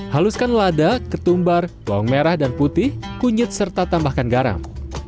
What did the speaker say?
haluskan lada ketumbar bawang merah dan putih kunyit serta tambahkan garam